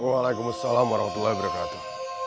waalaikumsalam warahmatullahi wabarakatuh